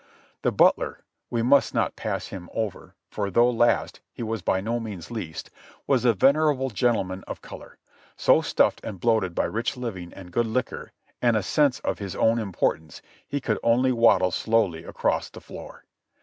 The butler — we must not pass him over, for though last, he was by no means least — was a venerable gentleman of color, so stuffed and bloated by rich living and good liquor and a sense of his own importance he could only waddle slowly across the floor.